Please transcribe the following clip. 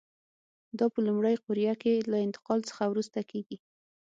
دا په لومړۍ قوریه کې له انتقال څخه وروسته کېږي.